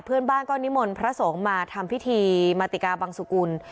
เพื่อนบ้านก็นิมนต์พระสงฆ์มาทำพิธีมาติกาบังสุกุล